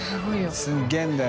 すげぇんだよ。